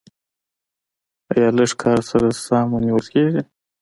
ایا لږ کار سره ساه مو نیول کیږي؟